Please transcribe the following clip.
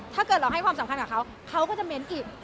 ถ้าเกิดเราให้ความสำคัญกับเขาเขาก็จะเม้นอีก